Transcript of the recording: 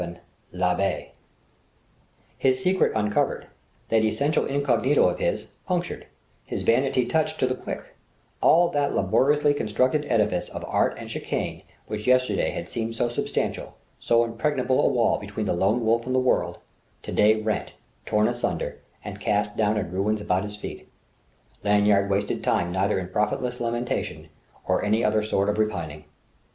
VII L'ABBAYE His secret uncovered, that essential incognito of his punctured, his vanity touched to the quick all that laboriously constructed edifice of art and chicane which yesterday had seemed so substantial, so impregnable a wall between the Lone Wolf and the World, to day rent, torn asunder, and cast down in ruins about his feet Lanyard wasted time neither in profitless lamentation or any other sort of repining.